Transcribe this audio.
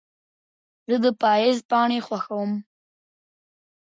زه د پاییز پاڼې خوښوم.